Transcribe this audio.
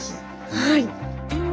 はい。